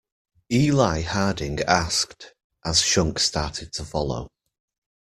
Eli Harding asked, as Shunk started to follow.